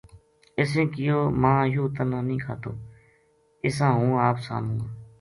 اِسیں کہیو" ماں یوہ تنا نیہہ کھاتو اِساں ہوں آپ ساموں گو"